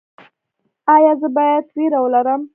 ایا زه باید ویره ولرم؟